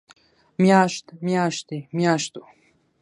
مياشت، مياشتې، مياشتو